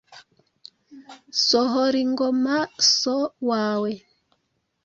Sohor-ingoma, so wawe,